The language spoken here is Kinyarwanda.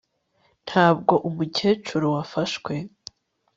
ntabwo umukecuru wafashwe